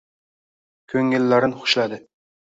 Ko‘ngillarin hushladi.